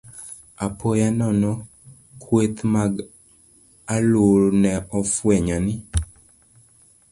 Apoya nono, kweth mag aluru ne ofwenyo ni